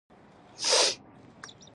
پلاو د وریجو یو ډول خوراک دی